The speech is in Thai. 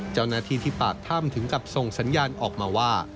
เจ้าหน้าที่ที่ปากถ้ำถึงกับส่งสัญญาณออกมาว่า